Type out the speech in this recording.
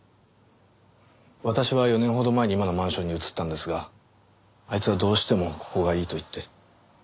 私は４年ほど前に今のマンションに移ったんですがあいつはどうしてもここがいいと言って。